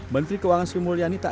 menteri keuangan semulianita